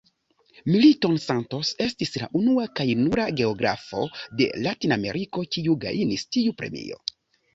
Milton Santos estis la unua kaj nura geografo de Latinameriko, kiu gajnis tiu premio.